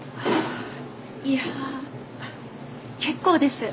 いや結構です。